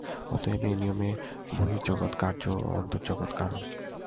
অতএব এই নিয়মে বহির্জগৎ কার্য ও অন্তর্জগৎ কারণ।